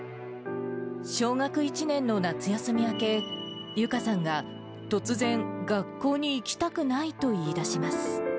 小学１年の夏休み明け、ユカさんが突然、学校に行きたくないと言い出します。